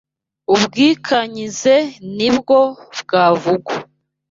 Ubwikanyize ni bwo bwavugwa